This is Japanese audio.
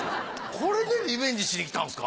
これでリベンジしに来たんですか？